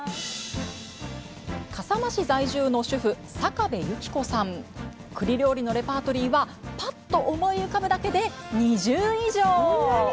笠間市在住の主婦くり料理のレパートリーはぱっと思い浮かぶだけで２０以上！